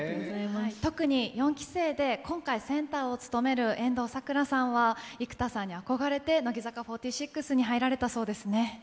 特に４期生で今回センターを務められている遠藤さくらさんは生田さんに憧れて乃木坂４６に入られたそうですね。